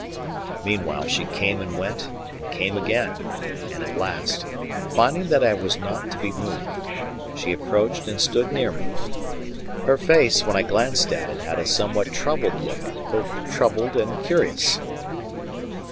Meanwhile she came and went and came again; and at last, finding that I was not to be moved, she approached and stood near me. Her face, when I glanced at it, had a somewhat troubled look both troubled and curious.